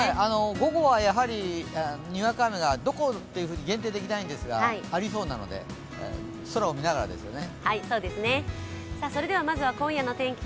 午後はどこと限定できないんですが、にわか雨がありそうなので、空を見ながらですね。